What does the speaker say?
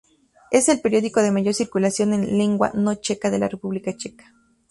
Es el periódico de mayor circulación en lengua no checa de la República Checa.